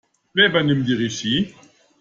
Wer übernimmt die Regie?